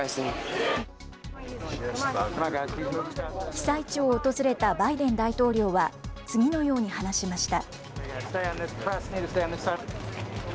被災地を訪れたバイデン大統領は、次のように話しました。